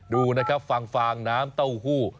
ดูนะครับฟางฟางน้ำเต้าหู้